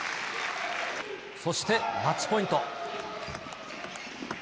そしてマッチポイント。